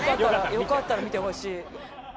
よかったら見てほしい。